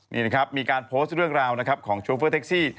นี่นะครับมีการโพสต์เรื่องราวนะครับของโชเฟอร์แท็กซี่